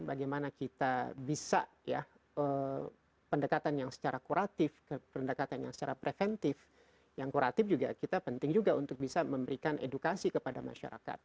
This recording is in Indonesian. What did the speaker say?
bagaimana kita bisa ya pendekatan yang secara kuratif pendekatan yang secara preventif yang kuratif juga kita penting juga untuk bisa memberikan edukasi kepada masyarakat